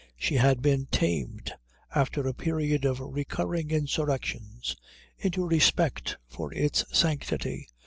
She had been tamed, after a period of recurring insurrections, into respect for its sanctity.